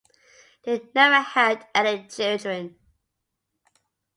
They never had any children.